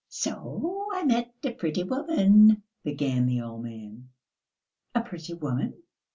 "So I met a pretty woman ..." began the old man. "A pretty woman!"